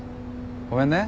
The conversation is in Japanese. ごめんね。